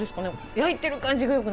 焼いてる感じがよくないですか？